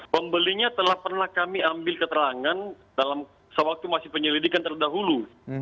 pembelinya telah pernah kami ambil keterangan dalam sewaktu masih penyelidikan terdahulu